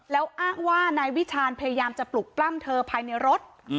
แล้วอ้างว่านายวิชาญพยายามจะปลุกปล้ำเธอภายในรถ